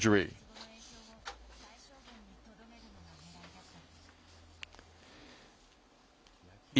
術後の影響を最小限にとどめるのがねらいだった。